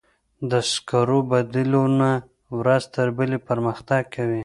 د سکرو بدیلونه ورځ تر بلې پرمختګ کوي.